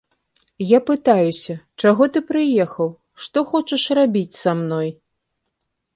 Я пытаюся, чаго ты прыехаў, што хочаш рабіць са мной?